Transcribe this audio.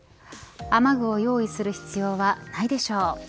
雨具を用意する必要はないでしょう。